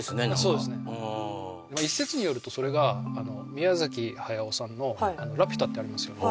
そうですね一説によるとそれが宮崎駿さんの「ラピュタ」ってありますよね